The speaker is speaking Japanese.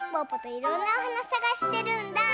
いろんなおはなさがしてるんだ！